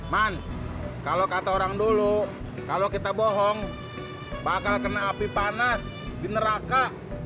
man kalau kata orang dulu kalau kita bohong bakal kena api panas di neraka